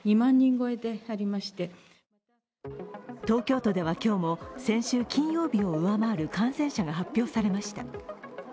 東京都では今日も先週金曜日を上回る感染者が発表されました。